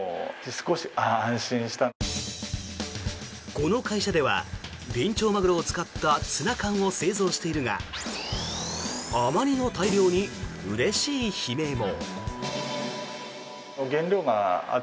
この会社ではビンチョウマグロを使ったツナ缶を製造しているがあまりの大漁にうれしい悲鳴も。